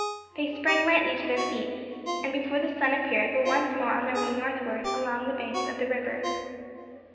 They sprang lightly to their feet, and before the sun appeared were once more on their way northward, along the banks of the river.